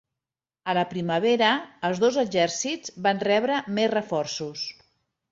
A la primavera, els dos exèrcits van rebre més reforços.